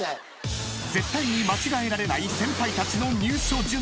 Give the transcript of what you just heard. ［絶対に間違えられない先輩たちの入所順］